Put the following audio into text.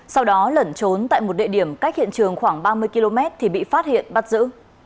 sau đó lẩn trốn tại một địa điểm cách hiện trường khoảng ba mươi km thì bị phát hiện bắt giữ